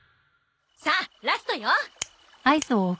さあラストよ！